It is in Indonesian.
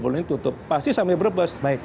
dua puluh menit tutup pasti sampai berbes